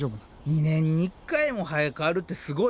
２年に１回も生え変わるってすごいね。